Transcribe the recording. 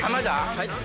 はい。